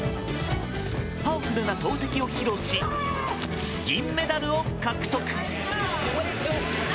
パワフルな投てきを披露し銀メダルを獲得。